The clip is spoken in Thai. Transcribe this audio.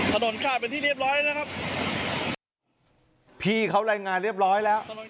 ถนนขาดเป็นที่เรียบร้อยแล้วครับพี่เขารายงานเรียบร้อยแล้ว